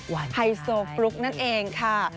ไฮโซฟลุ๊กนั่นเองค่ะ